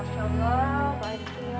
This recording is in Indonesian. masya allah baiklah